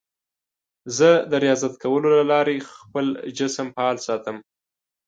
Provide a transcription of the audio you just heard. زه د ریاضت کولو له لارې خپل جسم فعال ساتم.